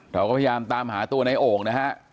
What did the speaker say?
เราก็พยายามตามหาตัวในโอ่งนะฮะ